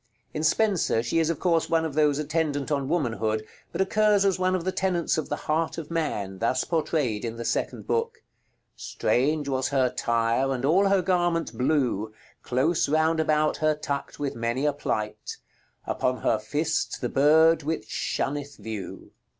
In Spenser she is of course one of those attendant on Womanhood, but occurs as one of the tenants of the Heart of Man, thus portrayed in the second book: "Straunge was her tyre, and all her garment blew, Close rownd about her tuckt with many a plight: Upon her fist the bird which shonneth vew.